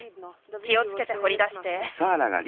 気をつけてほりだして。